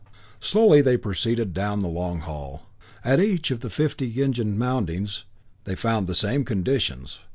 Slowly they proceeded down the long hall. At each of the fifty engine mountings they found the same conditions.